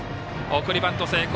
送りバント成功。